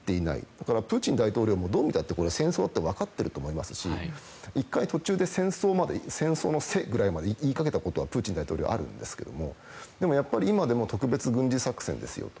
だからプーチン大統領もどう見たって戦争だと分かっていると思いますし１回、途中で戦争の「せ」まで言いかけたことがプーチン大統領、あるんですがやっぱり今でも特別軍事作戦ですよ。